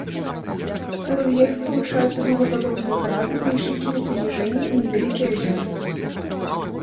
У рэльефе вылучаюцца дугападобныя грады, паміж якімі паніжэнні і невялікія азёры.